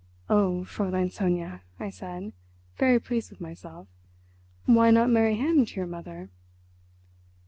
"Oh, Fräulein Sonia," I said, very pleased with myself, "why not marry him to your mother?"